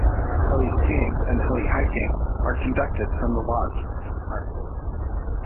Heli-skiing and heli-hiking are conducted from the lodge into the park.